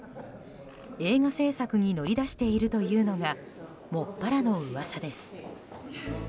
映画製作に乗り出しているというのがもっぱらの噂です。